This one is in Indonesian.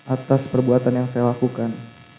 atas perbuatan yang saya lakukan